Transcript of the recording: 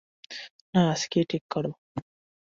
না, আজকেই ঠিক করো।